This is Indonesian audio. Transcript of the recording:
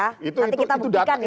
nanti kita buktikan ya